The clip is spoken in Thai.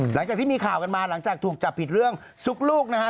หลังจากที่มีข่าวกันมาหลังจากถูกจับผิดเรื่องซุกลูกนะฮะ